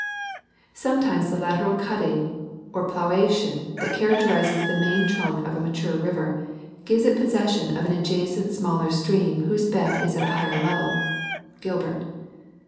Sometimes the lateral cutting or planation that characterizes the main trunk of a mature river gives it possession of an adjacent smaller stream whose bed is at a higher level (Gilbert).